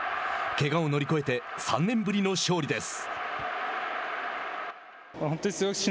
けがを乗り越えて３年ぶりの勝利です。